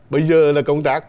bây giờ là công tác